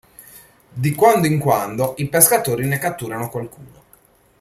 Di quando in quando i pescatori ne catturano qualcuno.